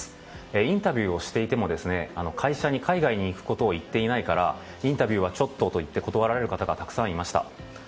インタビューをしていても会社に海外に行くことを言っていないからインタビューはちょっとと言って断られる方がたくさんいました。